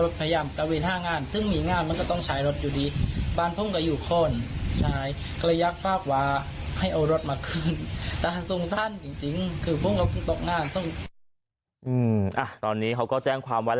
ตอนนี้เขาก็แจ้งเร็วด้ายความ